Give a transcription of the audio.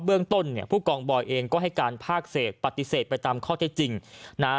เรื่องต้นเนี่ยผู้กองบอยเองก็ให้การภาคเศษปฏิเสธไปตามข้อเท็จจริงนะฮะ